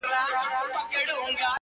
ډېر له کیبره څخه ګوري و هوا ته,